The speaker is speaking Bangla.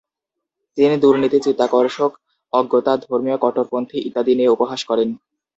তিনি দুর্নীতি, চিত্তাকর্ষক, অজ্ঞতা, ধর্মীয় কট্টরপন্থী ইত্যাদি নিয়ে উপহাস করেন।